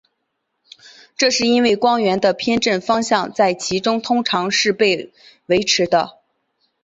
这是因为光源的偏振方向在其中通常是被维持的。